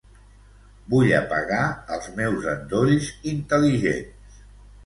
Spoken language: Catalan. Vull apagar els meus endolls intel·ligents.